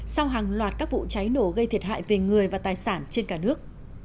sau hàng loạt các vụ cháy nổ gây thiệt hại về người và tài sản trên cả nước